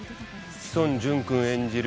志尊淳君演じる